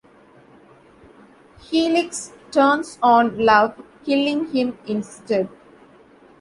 Helix turns on Love, killing him instead.